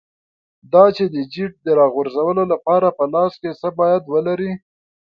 دا چې د جیټ د راغورځولو لپاره په لاس کې څه باید ولرې.